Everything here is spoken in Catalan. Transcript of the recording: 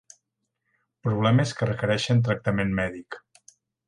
Problemes que requereixen tractament mèdic.